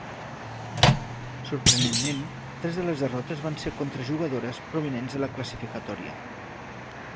Sorprenentment tres de les derrotes van ser contra jugadores provinents de la classificatòria.